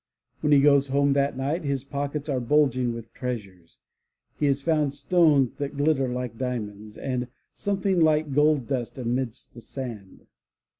When he goes home that night his pockets are bulging with treasures. He has found stones that glitter like diamonds, and something like gold dust amidst the sand.